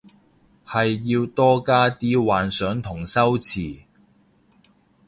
係要加多啲幻想同修辭